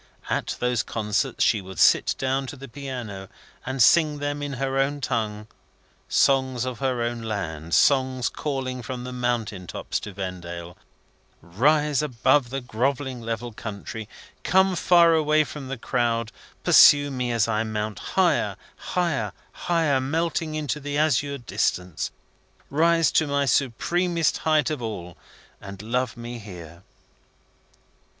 At those concerts she would sit down to the piano and sing them, in her own tongue, songs of her own land, songs calling from the mountain tops to Vendale, "Rise above the grovelling level country; come far away from the crowd; pursue me as I mount higher; higher, higher, melting into the azure distance; rise to my supremest height of all, and love me here!"